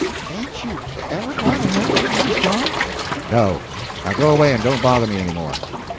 "Ain't you ever gwine to he'p me, Marse Tom?" "No! Now go away and don't bother me any more."